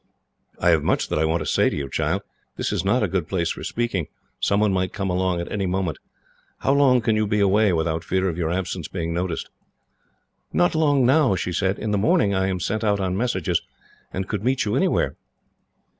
"I have much that I want to say to you, child. This is not a good place for speaking. Someone might come along at any moment. How long can you be away, without fear of your absence being noticed?" "Not long now," she said. "In the morning I am sent out on messages, and could meet you anywhere."